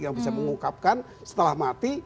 yang bisa mengungkapkan setelah mati